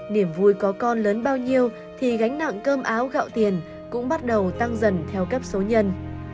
điểm vui có con lớn bao nhiêu thì gánh nặng cơm áo gạo tiền cũng bắt đầu tăng dần theo cấp số nhân